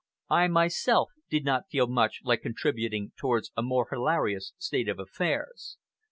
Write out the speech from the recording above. I myself did not feel much like contributing towards a more hilarious state of affairs.